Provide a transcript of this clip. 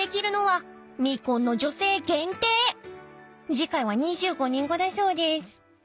［次回は２５年後だそうです］